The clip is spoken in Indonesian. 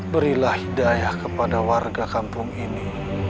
berilah hidayah kepada warga kampung ini